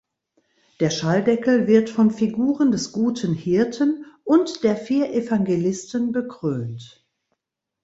Der Schalldeckel wird von Figuren des Guten Hirten und der vier Evangelisten bekrönt.